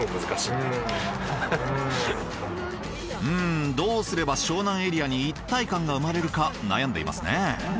うんどうすれば湘南エリアに一体感が生まれるか悩んでいますね。